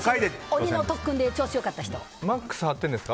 鬼の特訓で調子良かった人。